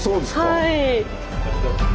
はい。